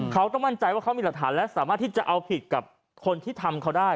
เขาต้องมั่นใจว่าเขามีหลักฐานและสามารถที่จะเอาผิดกับคนที่ทำเขาได้